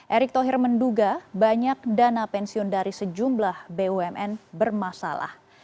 erick thohir menduga banyak dana pensiun dari sejumlah bumn bermasalah